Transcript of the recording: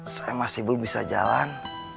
saya masih belum bisa jalan